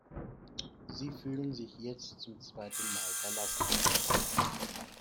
Sie fühlen sich jetzt zum zweiten Mal verlassen.